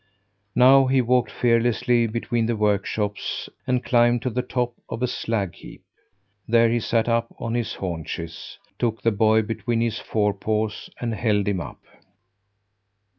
Now he walked fearlessly between the workshops and climbed to the top of a slag heap. There he sat up on his haunches, took the boy between his forepaws and held him up.